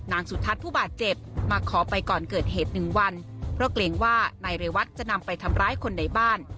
สุทัศน์ผู้บาดเจ็บมาขอไปก่อนเกิดเหตุหนึ่งวันเพราะเกรงว่านายเรวัตจะนำไปทำร้ายคนในบ้าน